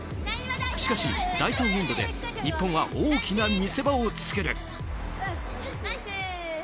しかし、第３エンドで日本は大きな見せ場を作る。